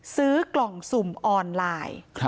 ซื้อกล่องสุ่มออนไลน์